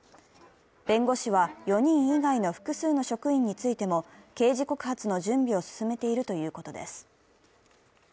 弁護士は４人以外の複数の職員についても刑事告発の準備を進めているということです。